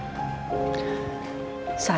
saya yang salah bi